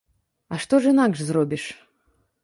А што ж інакш зробіш?